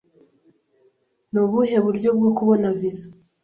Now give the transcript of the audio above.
Ni ubuhe buryo bwo kubona viza?